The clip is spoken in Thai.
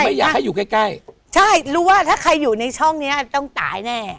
ไม่อยากให้อยู่ใกล้ใกล้ใช่รู้ว่าถ้าใครอยู่ในช่องเนี้ยต้องตายแน่